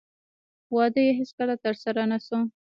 واده یې هېڅکله ترسره نه شو